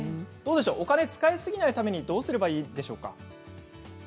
お金を使いすぎないためにどうすればいいでしょうか？